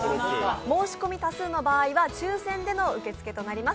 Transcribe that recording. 申し込み多数の場合は抽選での受け付けとなります。